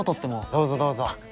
どうぞどうぞ。